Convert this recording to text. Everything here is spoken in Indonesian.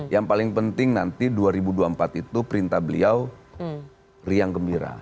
yang paling penting nanti dua ribu dua puluh empat itu perintah beliau riang gembira